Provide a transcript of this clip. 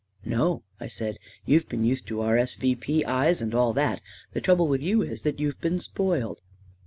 " No," I said; " you've been used to R. S. V. P. eyes and all that The trouble with you is that you've been spoiled."